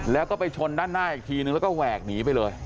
แล้วก็ไปชนด้านหน้าอีกทีนึงแล้วก็แหวกหนีไปเลย